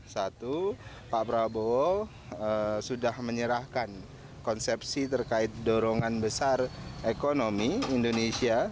satu pak prabowo sudah menyerahkan konsepsi terkait dorongan besar ekonomi indonesia